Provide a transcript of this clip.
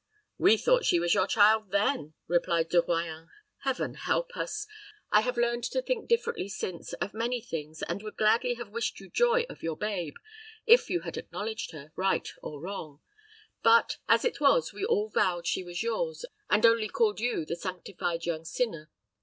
"We thought she was your child then," replied De Royans. "Heaven help us! I have learned to think differently since of many things, and would gladly have wished you joy of your babe, if you had acknowledged her, right or wrong; but, as it was, we all vowed she was yours, and only called you the sanctified young sinner.